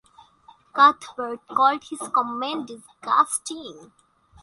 Cuthbert called his comment "disgusting".